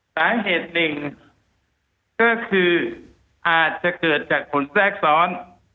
สาเหตุหนึ่งก็คืออาจจะเกิดจากผลแทรกซ้อน